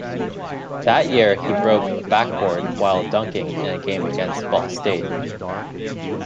That year he broke a backboard while dunking in a game against Ball State.